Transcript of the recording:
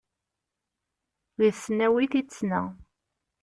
Deg tesnawit i tt-ssneɣ.